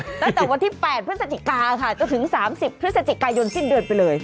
ตั้งแต่วันที่๘พฤษฐกาค่ะต้องถึง๓๐พฤษฐกายนติดเดินไปเลย